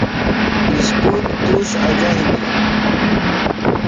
اسکول توُش اجہ ہِنیۡ ـ